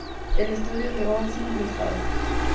El estudio de Ohlson et al.